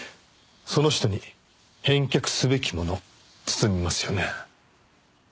その人に返却すべきもの包みますよね？